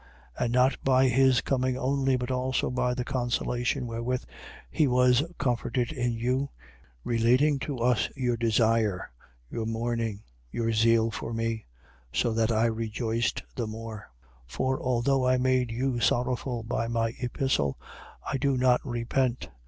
7:7. And not by his coming only, but also by the consolation wherewith he was comforted in you, relating to us your desire, your mourning, your zeal for me: so that I rejoiced the more. 7:8. For although I made you sorrowful by my epistle, I do not repent.